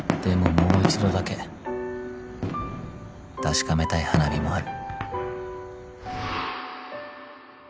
もう一度だけ確かめたい花火もある